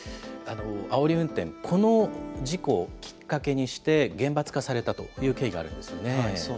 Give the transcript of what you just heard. あおり運転、この事故をきっかけにして、厳罰化されたというそうなんです。